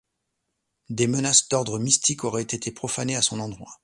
Des menaces d'ordre mystique auraient été proférées à son endroit.